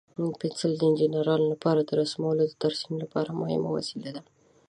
پنسل د انجینرانو لپاره د رسمونو د ترسیم لپاره مهم وسیله ده.